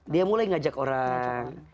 dia mulai ngajak orang